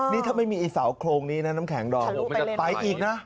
นี่ถ้าไม่มีไอ้เสาโครงนี้นะน้ำแข็งดอมมันจะไปอีกนะ